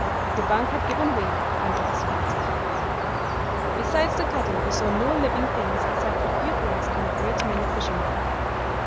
The bank had given way under his feet. Besides the cattle, we saw no living things except a few birds and a great many fishermen.